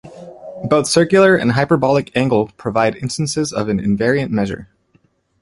Both circular and hyperbolic angle provide instances of an invariant measure.